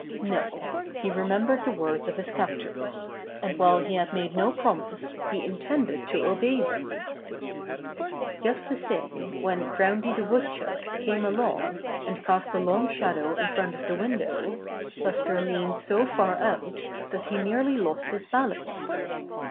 No, he remembered the words of his captors, and while he had made no promise he in tended to obey them. Just the same when Groundy the Wood chuck came along and cast a long shadow in front of the window, Buster leaned so far out that he nearly lost his balance.